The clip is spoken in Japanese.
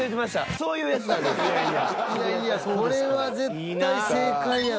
あっそういやいやこれは絶対正解やろ。